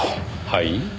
はい？